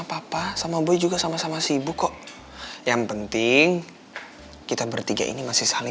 papa sama boy juga sama sama sibuk kok yang penting kita bertiga ini masih saling